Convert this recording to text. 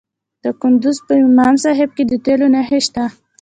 د کندز په امام صاحب کې د تیلو نښې شته.